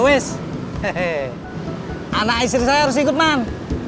si anak istri saya harus ikut men